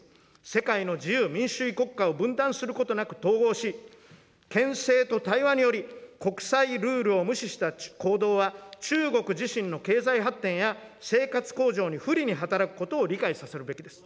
世界の自由・民主主義国家を分断することなく統合し、けん制と対話により、国際ルールを無視した行動は、中国自身の経済発展や、生活向上に不利に働くことを理解させるべきです。